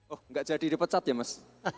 oh nggak jadi dipecat ya mas